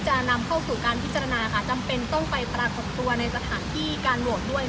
จะนำเข้าสู่การพิจารณาค่ะจำเป็นต้องไปกันในสถานที่การด้วยไหม